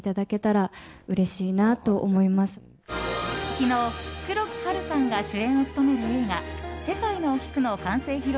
昨日、黒木華さんが主演を務める映画「せかいのおきく」の完成披露